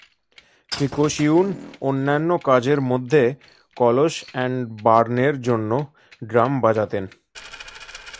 ক্রিকসিউন অন্যান্য কাজের মধ্যে কলস্ এন্ড বার্নের জন্য ড্রাম বাজাতেন।